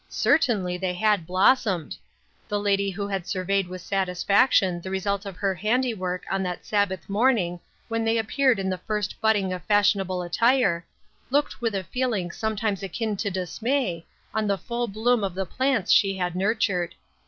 Certainly they had blossomed ! The lady who had surveyed with satisfaction the result of her handiwork on that Sabbath morning when they appeared in the first budding of fashionable PLANTS THAT HAD BLOSSOMED. 23 attire, looked with a feeling sometimes akin to dismay on the full bloom of the plants she had nurtured.